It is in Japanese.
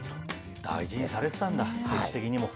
大事にされてたんだ、歴史的にも。